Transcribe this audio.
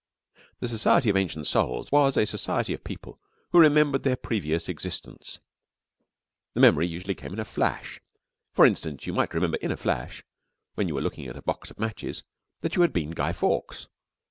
The Society of Ancient Souls was a society of people who remembered their previous existence. The memory usually came in a flash. For instance, you might remember in a flash when you were looking at a box of matches that you had been Guy Fawkes.